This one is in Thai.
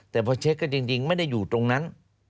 แต่พอเช็คกันจริงไม่ได้อยู่ตรงนั้น